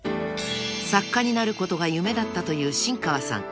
［作家になることが夢だったという新川さん］